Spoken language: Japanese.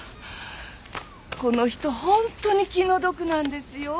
この人本当に気の毒なんですよ。